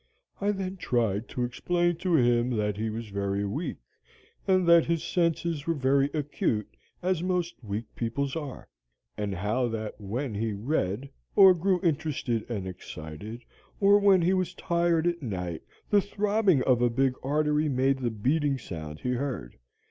I then tried to explain to him that he was very weak, and that his senses were very acute, as most weak people's are; and how that when he read, or grew interested and excited, or when he was tired at night, the throbbing of a big artery made the beating sound he heard.